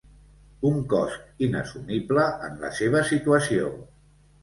Un cost inassumible en la seva situació.